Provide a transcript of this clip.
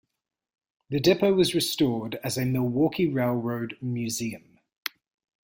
The depot was restored as a Milwaukee Railroad museum.